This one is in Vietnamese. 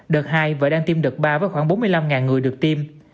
đợt hai và đang tiêm đợt ba với khoảng bốn mươi năm người được tiêm